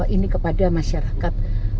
ini kepada masyarakat